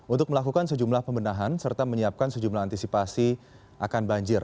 untuk melakukan sejumlah pembenahan serta menyiapkan sejumlah antisipasi akan banjir